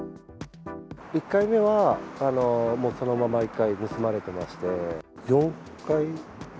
１回目はもうそのまま１回盗まれてまして。